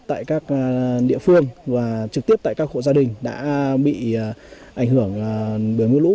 tại các địa phương và trực tiếp tại các hộ gia đình đã bị ảnh hưởng bởi mưa lũ